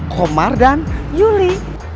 komar dan yuli